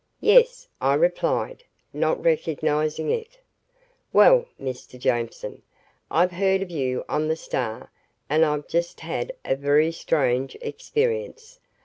"Yes," I replied, not recognizing it. "Well, Mr. Jameson, I've heard of you on the Star and I've just had a very strange experience.